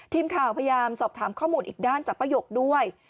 ทีมข่าวพยายามสอบถามข้อมูลอีกด้านจากป้ายกด้วย